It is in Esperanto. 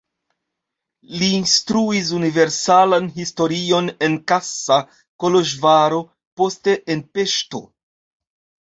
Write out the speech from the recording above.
Li instruis universalan historion en Kassa, Koloĵvaro, poste en Peŝto.